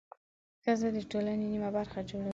ښځه د ټولنې نیمه برخه جوړوي.